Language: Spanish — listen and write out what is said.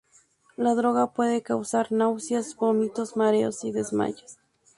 La droga puede causar náuseas, vómitos, mareos y desmayos.